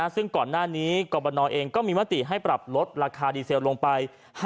ซึ่งก่อนหน้านี้กรบนเองก็มีมติให้ปรับลดราคาดีเซลลงไป